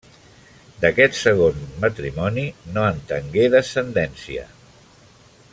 D'aquest segons matrimoni no en tengué descendència.